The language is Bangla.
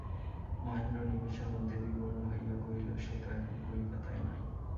মহেন্দ্র নিমেষের মধ্যে বিবর্ণ হইয়া কহিল, সে তো এখন কলিকাতায় নাই।